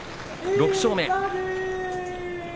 ６勝目。